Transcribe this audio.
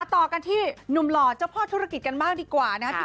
ต่อกันที่หนุ่มหล่อเจ้าพ่อธุรกิจกันบ้างดีกว่านะครับ